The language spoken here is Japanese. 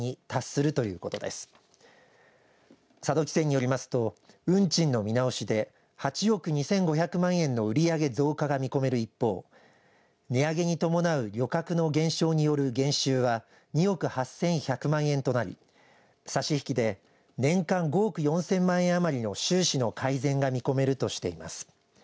佐渡汽船によりますと運賃の見直しで８億２５００万円の売り上げ増加が見込める一方値上げに伴う旅客の減少による減収は２億８１００万円となり差し引きで年間５億４０００万円余りの収支の改善が見込めるとしています。